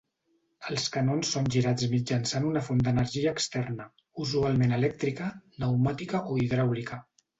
Els canons són girats mitjançant una font d'energia externa, usualment elèctrica, pneumàtica o hidràulica.